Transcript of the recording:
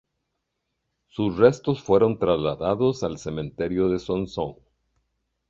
Sus restos fueron trasladados al cementerio de Sonsón.